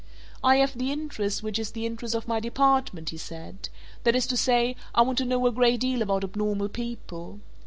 "I have the interest which is the interest of my department," he said. "That is to say I want to know a great deal about abnormal people.